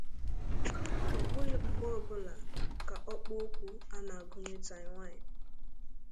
Ọ bụghị mgbe ọ bụla ka ọkpụokwu a na-agụnye Taiwan.